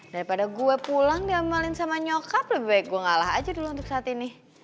daripada gue pulang diamalin sama nyokap lebih baik gue ngalah aja dulu untuk saat ini